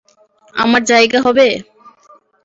আমার জায়গা হবে?